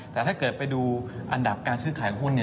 แต่ถ้าเกิดไปดูอันดับการซื้อขายหุ้นเนี่ย